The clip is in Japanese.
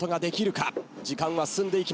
時間は進んでいきます。